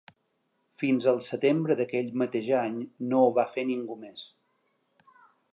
Fins al setembre d’aquell mateix any no ho va fer ningú més.